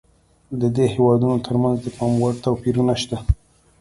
د دې هېوادونو ترمنځ د پاموړ توپیرونه شته.